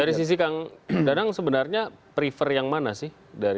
dari sisi kang danang sebenarnya prefer yang mana sih